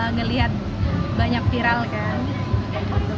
ngelihat banyak viral kan